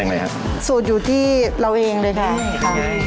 เดินไปที่ห้างหรืออะไรก็ตาม